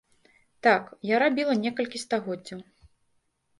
Так, як рабіла некалькі стагоддзяў.